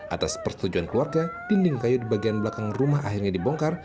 atas persetujuan keluarga dinding kayu di bagian belakang rumah akhirnya dibongkar